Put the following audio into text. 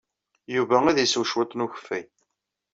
Yuba ad isew cwiṭ n ukeffay.